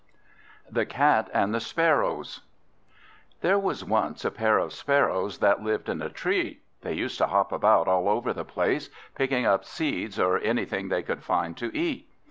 The Cat and the Sparrows THERE was once a pair of Sparrows that lived in a tree. They used to hop about all over the place, picking up seeds or anything they could find to eat.